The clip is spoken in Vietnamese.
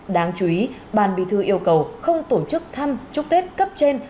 đáng chú ý bàn bì thư yêu cầu không tổ chức thăm trúc thết cấp trên